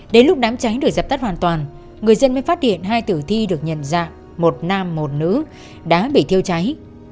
đến lúc đám cháy được dập tắt hoàn toàn người dân mới phát hiện hai tử thi được nhận ra một nam một nữ đã bị thiêu cháy